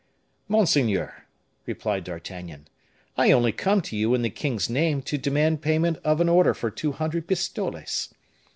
"Monseigneur," replied D'Artagnan, "I only come to you in the king's name to demand payment of an order for two hundred pistoles."